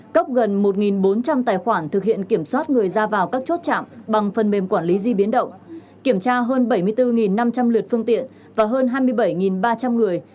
cấp gần một bốn trăm linh tài khoản thực hiện kiểm soát người ra vào các chốt chạm bằng phần mềm quản lý di biến động kiểm tra hơn bảy mươi bốn năm trăm linh lượt phương tiện và hơn hai mươi bảy ba trăm linh người